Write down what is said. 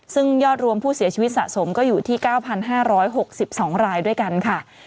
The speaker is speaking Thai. ซึ่งยอดรวมผู้เสียชีวิตสะสมก็อยู่ที่๙๕๖๒รายด้วยกันค่ะ